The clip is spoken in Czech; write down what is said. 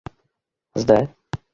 Zde?